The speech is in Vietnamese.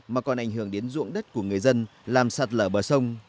mà còn ảnh hưởng đến ruộng đất của người dân làm sạt lở bờ sông